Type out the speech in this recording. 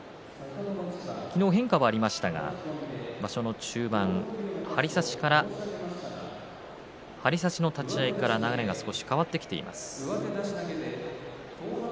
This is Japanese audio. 昨日、変化はありましたが場所の中盤、張り差しから流れが少し変わってきています。